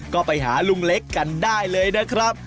ก็ไปหาลุงเล็กกันได้เลยนะครับ